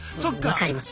分かります。